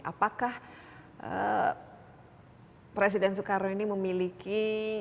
apakah presiden soekarno ini memiliki